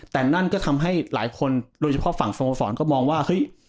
แต่นั่นก็ทำให้หลายคนโดยเฉพาะฝั่งสโมสรก็มองว่าเฮ้ย